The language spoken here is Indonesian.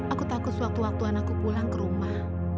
aku takut sewaktu waktu anakku pulang ke rumah